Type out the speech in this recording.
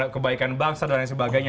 kebaikan bangsa dan sebagainya